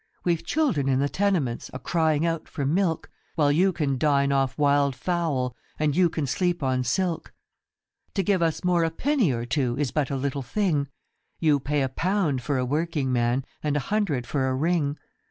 ' We've children in the tenements A crying out for milk, While you can dine off wild fowl, And you can sleep on silk. 75 A New Ballad of Dives and Lazarus. To give us more a penny or two Is but a little thing ; You pay a pound for a working man And a hundred for a ring.'